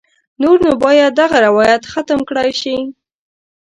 نور نو باید دغه روایت ختم کړای شي.